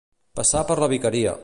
Passar per la vicaria.